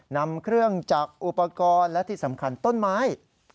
นำเครื่องจักรอุปกรณ์และที่สำคัญต้นไม้